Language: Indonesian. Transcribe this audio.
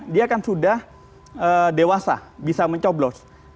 dia kan sudah dewasa bisa mencoblos